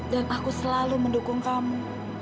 dan aku selalu mendukung kamu